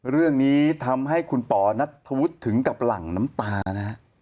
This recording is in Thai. เรื่องนี้ทำให้คุณป๋อนัทธวุฒิถึงกับหลั่งน้ำตานะฮะ